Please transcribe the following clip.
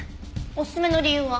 おすすめの理由は？